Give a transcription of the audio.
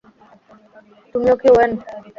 তুমিও কি ওয়েন?